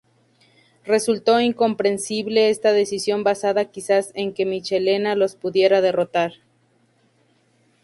Resultó incomprensible esta decisión basada quizás en que Michelena los pudiera derrotar.